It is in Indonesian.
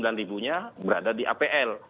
sembilan ribunya berada di apl